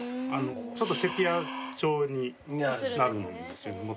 ちょっとセピア調になるんですもともと。